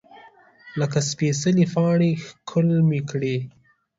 لکه سپیڅلې پاڼه ښکل مې کړې